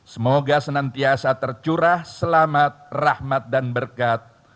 semoga senantiasa tercurah selamat rahmat dan berkat